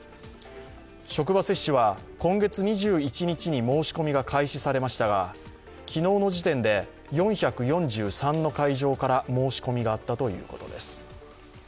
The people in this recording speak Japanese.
職場接種は今月２１日に申し込みが開始されましたが昨日の時点で４４３の会場から申し込みがあったということです。